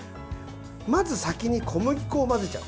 まず、先に小麦粉を混ぜちゃう。